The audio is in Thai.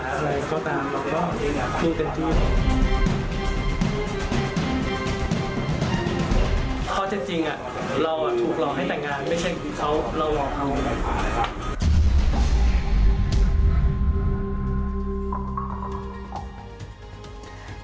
ข้อเจ็บจริงเราถูกรอให้แต่งงานไม่ใช่เขาเรารอเขา